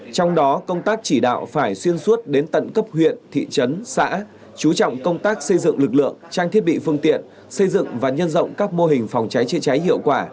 trong đó công tác chỉ đạo phải xuyên suốt đến tận cấp huyện thị trấn xã chú trọng công tác xây dựng lực lượng trang thiết bị phương tiện xây dựng và nhân rộng các mô hình phòng cháy chữa cháy hiệu quả